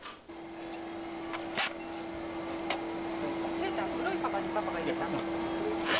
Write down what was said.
セーター黒いかばんにパパが入れたの。